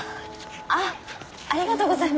ありがとうございます。